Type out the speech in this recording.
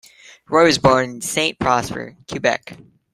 Roy was born in Saint-Prosper, Quebec.